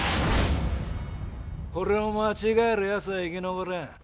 これを間違えるやつは生き残れん。